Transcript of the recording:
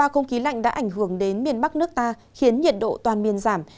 không khí lạnh đã ảnh hưởng đến miền bắc nước ta khiến nhiệt độ toàn miền giảm